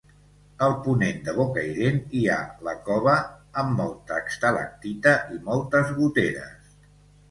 Al ponent de Bocairent hi ha la cova, amb molta estalactita i moltes goteres.